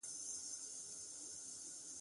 د خپلواکۍ بېرغونه د قربانۍ په نتیجه کې رپېږي.